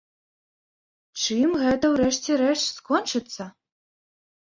Чым гэта, у рэшце рэшт, скончыцца?